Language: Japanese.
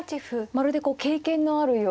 まるでこう経験のあるような。